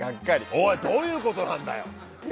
おい、どういうことなんだよ！